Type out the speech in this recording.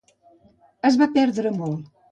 Es va perdre molt